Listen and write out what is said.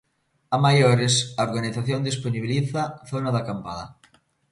A maiores, a organización dispoñibiliza zona de acampada.